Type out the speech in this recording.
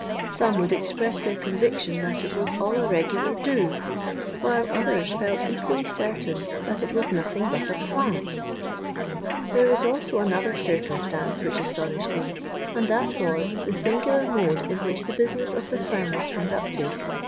Some would express their conviction 'that it was all a regular do,' while others felt equally certain 'that it was nothing but a plant.' There was also another circumstance which astonished me; and that was the singular mode in which the business of the firm was conducted.